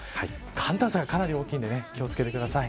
寒暖差がかなり大きいんで気を付けてください。